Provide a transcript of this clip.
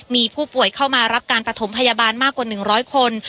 มีผู้ป่วยเข้ามารับการประถมพยาบาลมากกว่า๑๐๐คน